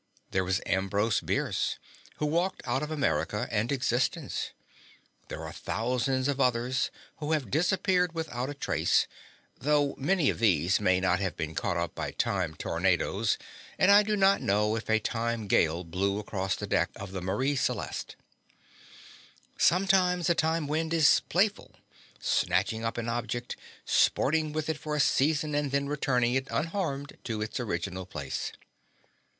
There was Ambrose Bierce, who walked out of America and existence, and there are thousands of others who have disappeared without a trace, though many of these may not have been caught up by time tornadoes and I do not know if a time gale blew across the deck of the Marie Celeste. Sometimes a time wind is playful, snatching up an object, sporting with it for a season and then returning it unharmed to its original place.